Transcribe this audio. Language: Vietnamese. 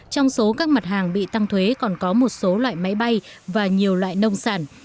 trong số các mặt hàng bị tăng thuế còn có một số loại máy bay và nhiều loại nông sản